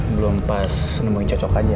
belum pas nemuin cocok aja